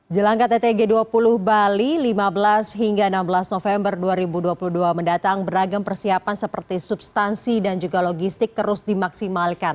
jelang kttg dua puluh bali lima belas hingga enam belas november dua ribu dua puluh dua mendatang beragam persiapan seperti substansi dan juga logistik terus dimaksimalkan